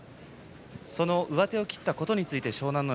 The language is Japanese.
その上手を切ったことについて湘南乃